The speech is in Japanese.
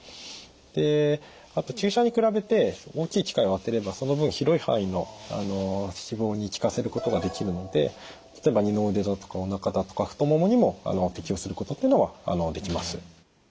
であと注射に比べて大きい機械を当てればその分広い範囲の脂肪に効かせることができるので例えば二の腕だとかおなかだとか太ももにも適用することっていうのはできます。